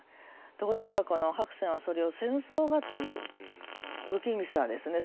ところがこの白泉はそれを「戦争が」という不気味さですね。